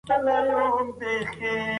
پنجشنبه په کابل کې ډېر بېروبار وي.